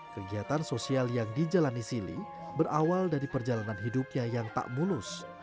kegiatan sosial yang dijalani sili berawal dari perjalanan hidupnya yang tak mulus